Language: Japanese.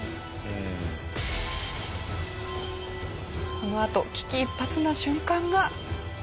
このあと危機一髪な瞬間が。